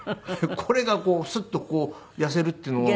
これがスッと痩せるっていうのを。